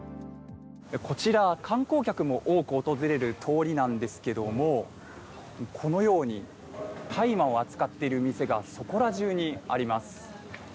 こちら観光客も多く訪れる通りなんですけどもこのように大麻を扱っている店がそこら中にあります。